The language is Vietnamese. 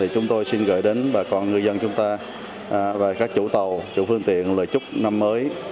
chúng tôi xin gửi đến bà con ngư dân chúng ta và các chủ tàu chủ phương tiện lời chúc năm mới